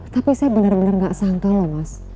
tapi saya benar benar gak sangka loh mas